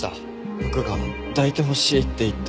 僕が抱いてほしいって言って。